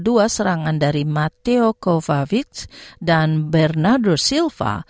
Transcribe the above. kedua serangan dari mateo kovacic dan bernardo silva